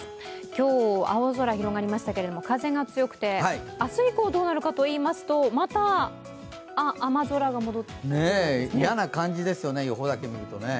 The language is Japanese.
今日、青空広がりましたけれども風が強くて、明日以降どうなるかといいますと、また雨空が戻って嫌な感じですよね、予報だけ見るとね。